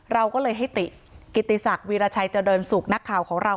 เราก็เลยให้ติกิติศักดิราชัยเจริญสุขนักข่าวของเรา